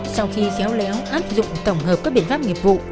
sau khi xéo lẽo áp dụng tổng hợp các biện pháp nghiệp vụ